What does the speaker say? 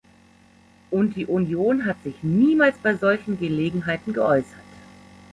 Und die Union hat sich niemals bei solchen Gelegenheiten geäußert.